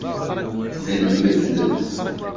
Nelmed.